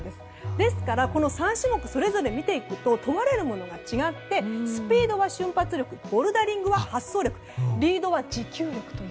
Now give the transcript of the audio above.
ですから、この３種目をそれぞれ見ていくと問われるものが違ってスピードは瞬発力ボルダリングは発想力リードは持久力。